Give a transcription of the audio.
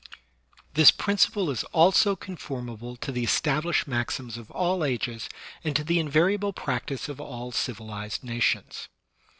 This principle is also conformable to the established maxims of all ages and to the invariable practice of all civilized nations.